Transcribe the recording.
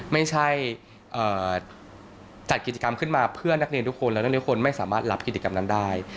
ไม่ใช่จัดกิจกรรมขึ้นมาเพื่อนักเรียนทุกคนและนักเรียนคนไม่สามารถรับกิจกรรมนั้นได้